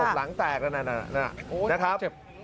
หลังแตกน่ะนี่น่ะนะครับ